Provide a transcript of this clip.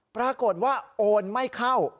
ปรากฏว่าโอนไม่เข้า